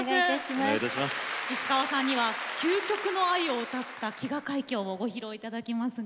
石川さんには究極の愛を歌った「飢餓海峡」をご披露いただきます。